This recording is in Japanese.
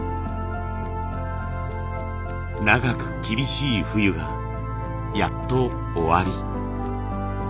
長く厳しい冬がやっと終わり。